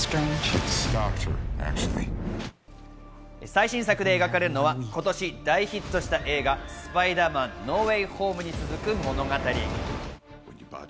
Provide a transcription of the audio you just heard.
最新作で描かれるのは今年大ヒットした映画『スパイダーマン：ノー・ウェイ・ホーム』に続く物語。